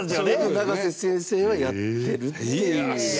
高橋：永瀬先生はやってるっていう。